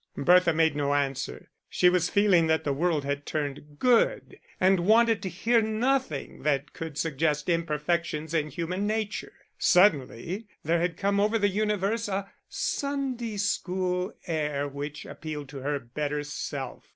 Bertha made no answer; she was feeling that the world had turned good, and wanted to hear nothing that could suggest imperfections in human nature: suddenly there had come over the universe a Sunday school air which appealed to her better self.